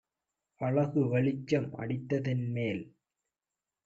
அழகு வெளிச்சம் அடித்த தென்மேல்